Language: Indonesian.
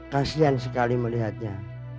kasian sekali melihatnya